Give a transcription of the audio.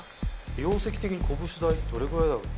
容積的にこぶし大ってどれぐらいだろう？